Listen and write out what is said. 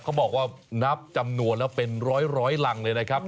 เขาบอกว่านับจำนวนแล้วเป็นร้อยรังเลยนะครับ